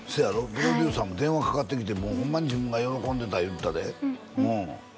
プロデューサーも電話かかってきてもうホンマに自分が喜んでた言うてたでうん？